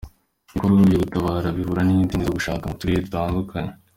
Ibikorwa vyo gutabara bihura n'inzitizi zo gushika mu turere dutandukanye.